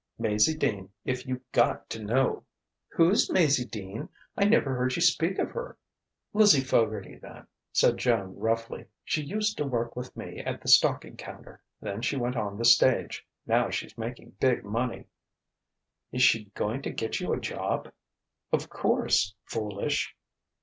"Maizie Dean, if you got to know." "Who's Maizie Dean? I never heard you speak of her " "Lizzie Fogarty, then," said Joan roughly. "She used to work with me at the stocking counter. Then she went on the stage. Now she's making big money." "Is she going to get you a job?" "Of course foolish!"